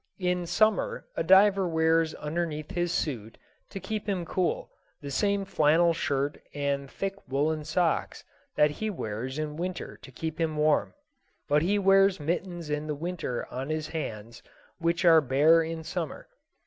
In summer a diver wears underneath his suit, to keep him cool, the same flannel shirt and thick woolen socks that he wears in winter to keep him warm. But he wears mittens in winter on his hands, which are bare in summer.